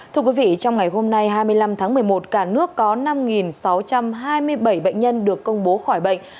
thưa quý vị trong ngày hôm nay hai mươi năm tháng một mươi một cả nước có năm sáu trăm hai mươi bảy bệnh nhân được công bố khỏi bệnh